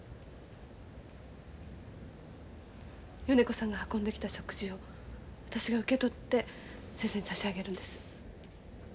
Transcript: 米子さんが運んできた食事を私が受け取って先生に差し上げるんです。